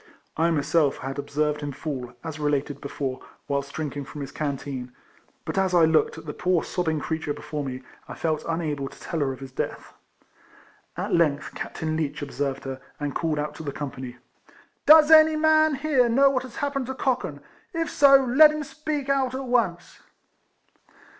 I myself had observed him fall, as related before, whilst drinking from his canteen; but as I looked at the poor sobbing creature before me, I felt unable to tell her of his death. A.t length Captain Leech observed her, and called out to the company, 44 RECOLLECTIONS OF " Does any man here know what has happened to Cochan ? If so, let him speak out at once."